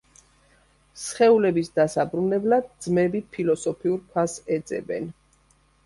სხეულების დასაბრუნებლად ძმები ფილოსოფიურ ქვას ეძებენ.